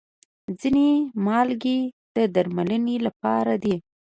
ځینې مالګې د درملنې لپاره دي.